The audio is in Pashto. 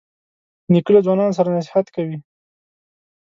نیکه له ځوانانو سره نصیحت کوي.